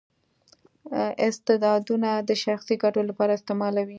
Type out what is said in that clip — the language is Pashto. استعدادونه د شخصي ګټو لپاره استعمالوي.